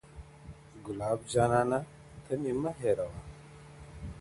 گلاب جانانه ته مي مه هېروه,